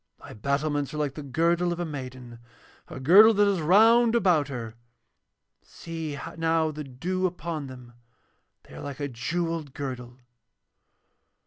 Thy battlements are like the girdle of a maiden, a girdle that is round about her. See now the dew upon them, they are like a jewelled girdle.